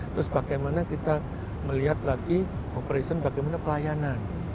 terus bagaimana kita melihat lagi operation bagaimana pelayanan